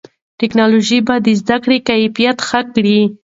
ټیکنالوژي به د زده کړې کیفیت ښه کړي.